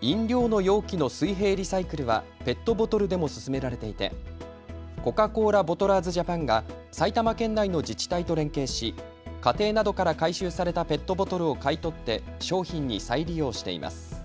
飲料の容器の水平リサイクルはペットボトルでも進められていてコカ・コーラボトラーズジャパンが埼玉県内の自治体と連携し家庭などから回収されたペットボトルを買い取って商品に再利用しています。